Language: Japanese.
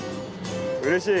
うれしい！